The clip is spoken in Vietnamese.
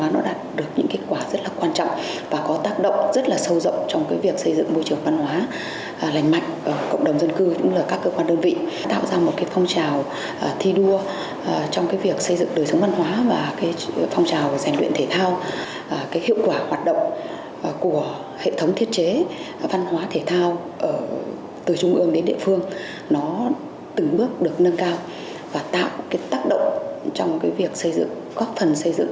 nó từng bước được nâng cao và tạo tác động trong việc xây dựng góp phần xây dựng môi trường văn hóa